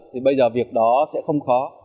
thì bây giờ việc đó sẽ không khó